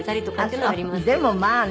でもまあね。